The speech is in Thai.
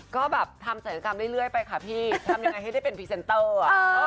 ก็แบบทำศัลยกรรมเรื่อยไปค่ะพี่ทำยังไงให้ได้เป็นพรีเซนเตอร์อ่ะ